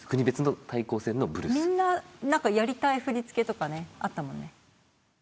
みんなやりたい振り付けとかねあったもんね。